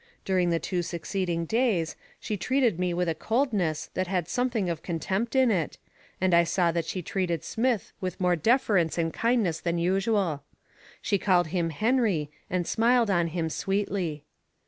During the two succeeding days, she treated me with a coldness that had something of contempt in it, and I saw that she treated Smith with more deference and kindness than usual. She called him, Henry, and smiled on him sweetly.